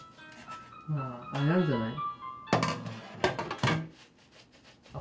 まぁあれなんじゃない？